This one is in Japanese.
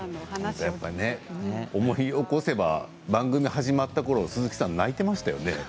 思い起こせば番組始まったころ鈴木さん泣いていましたよね。